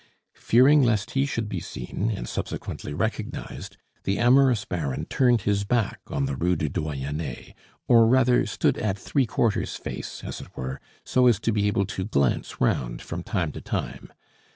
Fearing lest he should be seen, and subsequently recognized, the amorous Baron turned his back on the Rue du Doyenne, or rather stood at three quarters' face, as it were, so as to be able to glance round from time to time.